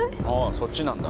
そっちなんだ